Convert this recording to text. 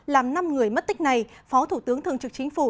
làm năm người mất tích này phó thủ tướng thường trực chính phủ